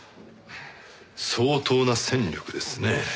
相当な戦力ですねぇ。